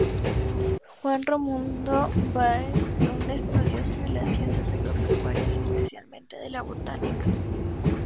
Juan Romualdo Báez fue un estudioso de las ciencias agropecuarias especialmente de la botánica.